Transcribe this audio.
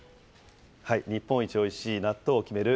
日本一おいしい納豆を決める